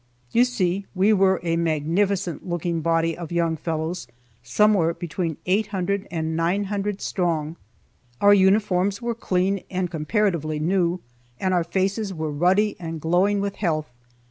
You see, we were a magnificent looking body of young fellows, somewhere between 800 and 900 strong. Our uniforms were clean and comparatively new, and our faces were ruddy and glowing with health.